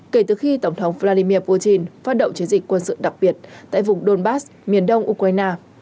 kể từ khi tổng thống vladimir putin phát động chiến dịch quân sự đặc biệt tại vùng donbass miền đông ukraine